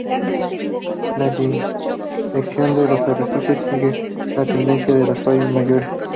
La dirección de los arrecifes sigue la tendencia de las fallas mayores.